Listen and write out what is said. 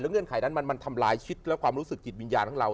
เงื่อนไขนั้นมันทำลายชิดและความรู้สึกจิตวิญญาณของเรา